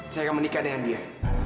saya akan menikah dengan dia